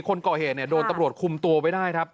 คนก่อเหตุเนี่ยโดนตำรวจคุมตัวไว้ได้ครับ